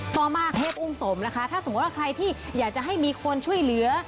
ต่อมาเทพอุ้มสมนะคะถ้าสมมุติว่าใครที่อยากจะให้มีคนช่วยเหลือ